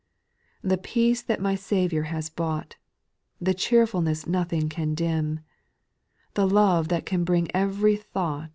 ! 3. '' The peace that my Saviour has bought, The cheerfulness nothing can dim, The love that can bring e very \.\\o\i^\.